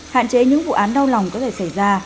hạn chế những vụ án đau lòng có thể xảy ra